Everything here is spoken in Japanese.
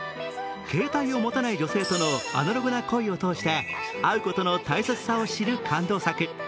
携帯を持たない女性とのアナログな恋を通して会うことの大切さを知る感動作。